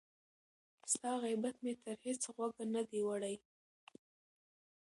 ستا غیبت مي تر هیڅ غوږه نه دی وړی